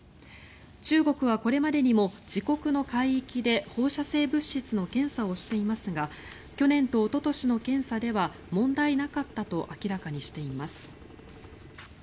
中国はこれまでにも自国の海域で放射性物質の検査をしていますが去年とおととしの検査では問題なかったと明らかにしています。